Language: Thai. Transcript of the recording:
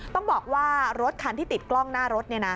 ต้องบอกว่ารถคันที่ติดกล้องหน้ารถ